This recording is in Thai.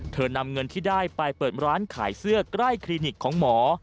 นำเงินที่ได้ไปเปิดร้านขายเสื้อใกล้คลินิกของหมอ